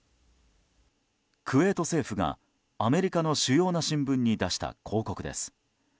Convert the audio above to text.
クウェート政府がアメリカの主要な新聞に出した広告です。